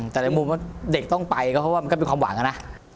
แต่ในมุมว่าเด็กต้องไปก็เพราะว่ามันก็เป็นความหวังนะ